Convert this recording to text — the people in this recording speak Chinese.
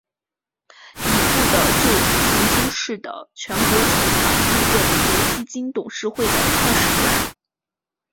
已故的就曾经是的全国筹款顾问和基金董事会的创始成员。